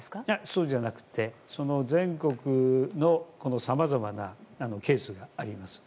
そうじゃなくて、全国のさまざまなケースがあります。